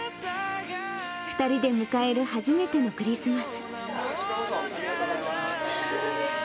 ２人で迎える初めてのクリスマス。